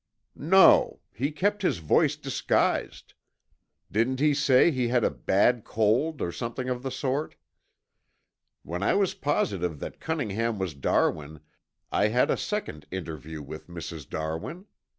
"No. He kept his voice disguised. Didn't he say he had a bad cold or something of the sort? When I was positive that Cunningham was Darwin I had a second interview with Mrs. Darwin.